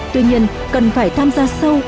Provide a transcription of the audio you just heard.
tuy nhiên cần phải tham gia sâu